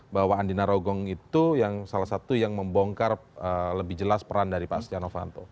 bahwa andi narogong itu salah satu yang membongkar lebih jelas peran dari pak setia novanto